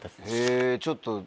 へぇちょっと。